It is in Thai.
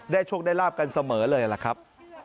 โชคได้ลาบกันเสมอเลยล่ะครับ